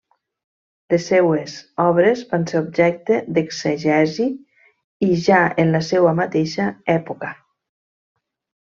Les seues obres van ser objecte d'exegesi ja en la seua mateixa època.